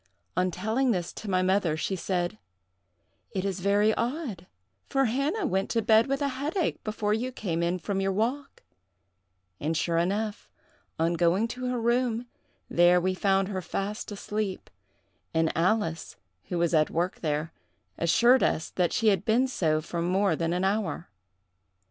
On telling this to my mother, she said: 'It is very odd, for Hannah went to bed with a headache before you came in from your walk;' and sure enough, on going to her room, there we found her fast asleep; and Alice, who was at work there, assured us that she had been so for more than an hour.